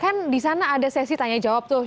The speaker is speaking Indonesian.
kan di sana ada sesi tanya jawab tuh